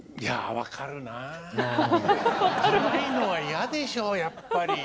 ないのは嫌でしょやっぱり。